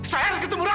saya harus ke temurang